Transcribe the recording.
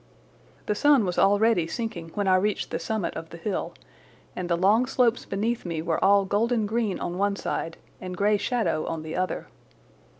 The sun was already sinking when I reached the summit of the hill, and the long slopes beneath me were all golden green on one side and grey shadow on the other.